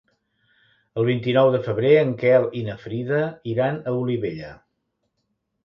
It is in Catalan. El vint-i-nou de febrer en Quel i na Frida iran a Olivella.